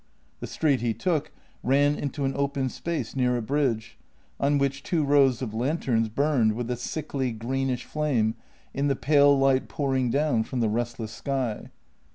The street he took ran into an open space near a bridge, on which two rows of lanterns burned with a sickly, greenish flame in the pale light pouring down from the restless sky.